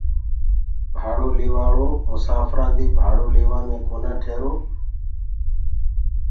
ڀاڙو ليوآݪو مساڦرانٚ دي ڀاڙو ليوآ مي ڪونآ ٺيرو